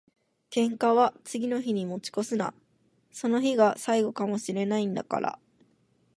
喧嘩は次の日に持ち越すな。その日が最後かも知れないんだから。